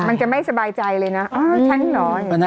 มันจะไม่สบายใจเลยนะ